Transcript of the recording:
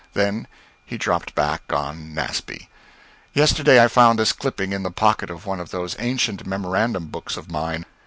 Then he dropped back on Nasby. Yesterday I found this clipping in the pocket of one of those ancient memorandum books of mine.